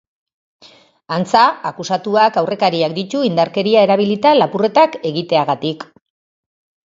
Antza, akusatuak aurrekariak ditu indarkeria erabilita lapurretak egiteagatik.